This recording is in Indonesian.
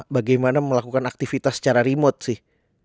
bagaimana melakukan aktivitas secara remote sih